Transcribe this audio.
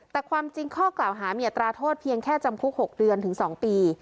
แต่ความจริงข้อกล่าวหามีอัตราโทษเพียงแค่จำคุก๖เดือนถึง๒ปี